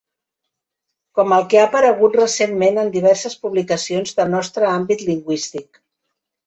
Com el que ha aparegut recentment en diverses publicacions del nostre àmbit lingüístic.